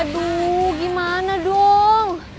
aduh gimana dong